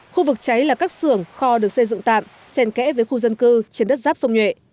khu vực cháy là các xưởng kho được xây dựng tạm xen kẽ với khu dân cư trên đất giáp sông nhuệ